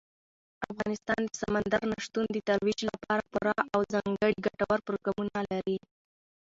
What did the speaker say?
افغانستان د سمندر نه شتون د ترویج لپاره پوره او ځانګړي ګټور پروګرامونه لري.